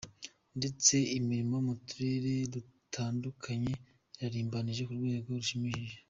ndetse imirimo mu turere dutandukanye irarimbanyije ku rwego rushimishije.